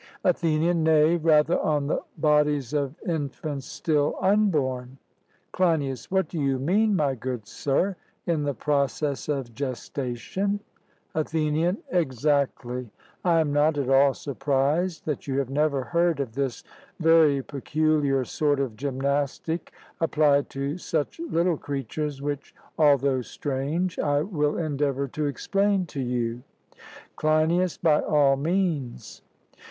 ATHENIAN: Nay, rather on the bodies of infants still unborn. CLEINIAS: What do you mean, my good sir? In the process of gestation? ATHENIAN: Exactly. I am not at all surprised that you have never heard of this very peculiar sort of gymnastic applied to such little creatures, which, although strange, I will endeavour to explain to you. CLEINIAS: By all means.